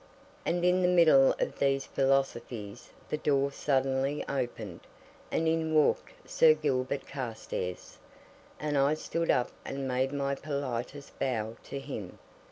And in the middle of these philosophies the door suddenly opened, and in walked Sir Gilbert Carstairs, and I stood up and made my politest bow to him.